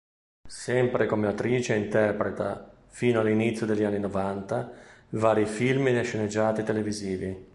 Sempre come attrice interpreta, fino all'inizio degli anni novanta, vari film e sceneggiati televisivi.